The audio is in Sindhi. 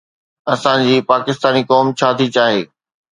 اسان جي پاڪستاني قوم ڇا ٿي چاهي؟